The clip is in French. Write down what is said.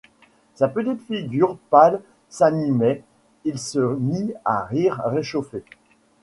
Sa petite figure pâle s’animait, il se mit à rire, réchauffé.